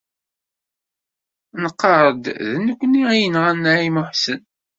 Nqarr-d d nekkni ay yenɣan Naɛima u Ḥsen.